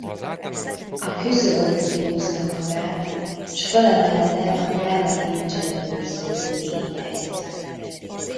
A küszöbön kihúzta magát, s fölemelte a drága kincset őrző tégelyt.